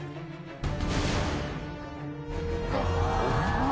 あっ！